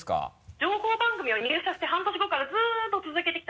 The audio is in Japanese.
情報番組を入社して半年後からずっと続けてきた。